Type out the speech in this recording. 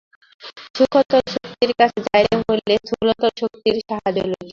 সূক্ষ্মতর শক্তির কাছে যাইতে হইলে স্থূলতর শক্তির সাহায্য লইতে হয়।